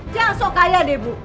jangan suka kaya deh bu